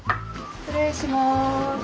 失礼します。